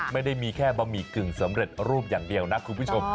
ไม่ได้มีแค่บะหมี่กึ่งสำเร็จรูปอย่างเดียวนะคุณผู้ชม